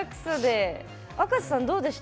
あかせさんどうでした？